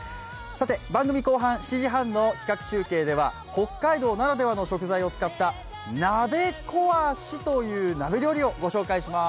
番組後半、７時半の企画中継では北海道ならではの食材を使った鍋壊しという料理をお伝えします。